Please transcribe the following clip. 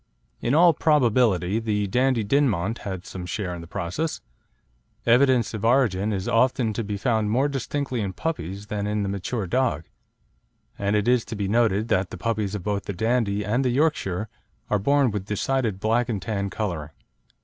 In all probability the Dandie Dinmont had some share in the process. Evidence of origin is often to be found more distinctly in puppies than in the mature dog, and it is to be noted that the puppies of both the Dandie and the Yorkshire are born with decided black and tan colouring.